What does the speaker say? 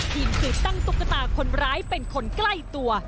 ทีมสืบตั้งตุ๊กตาคนร้ายเป็นคนใกล้ตัว